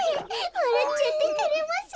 わらっちゃっててれますよ。